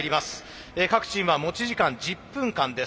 各チームは持ち時間１０分間です。